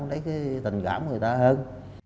đấy cái tình cảm của người ta hơn